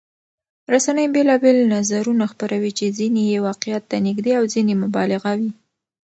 رسنۍ بېلابېل نظرونه خپروي چې ځینې یې واقعيت ته نږدې او ځینې مبالغه وي.